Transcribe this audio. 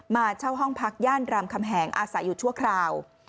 เช่าห้องพักย่านรามคำแหงอาศัยอยู่ชั่วคราว